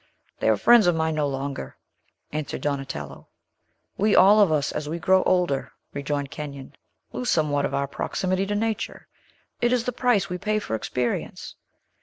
"They are friends of mine no longer," answered Donatello. "We all of us, as we grow older," rejoined Kenyon, "lose somewhat of our proximity to nature. It is the price we pay for experience."